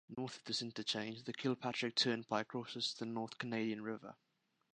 North of this interchange, the Kilpatrick Turnpike crosses the North Canadian River.